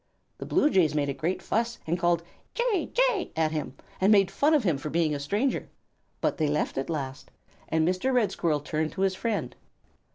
The Blue Jays made a great fuss and called "Jay! Jay!" at him, and made fun of him for being a stranger, but they left at last, and Mr. Red Squirrel turned to his friend.